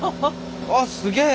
あっすげえ！